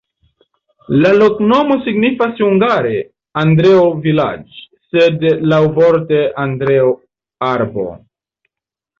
La loknomo signifas hungare: Andreo-vilaĝ', sed laŭvorte Andreo-arbo.